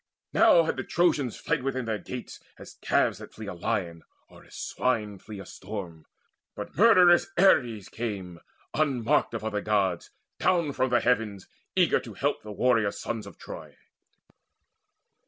Now had the Trojans fled within their gates As calves that flee a lion, or as swine Flee from a storm but murderous Ares came, Unmarked of other Gods, down from the heavens, Eager to help the warrior sons of Troy.